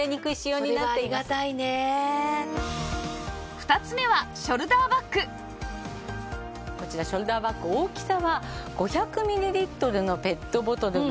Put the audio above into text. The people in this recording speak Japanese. ２つ目はこちらショルダーバッグ大きさは５００ミリリットルのペットボトルが。